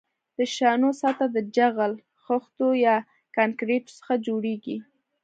د شانو سطح د جغل، خښتو یا کانکریټو څخه جوړیږي